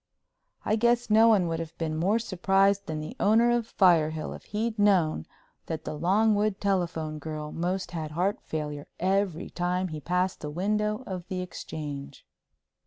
I guess no one would have been more surprised than the owner of Firehill if he'd known that the Longwood telephone girl most had heart failure every time he passed the window of the Exchange.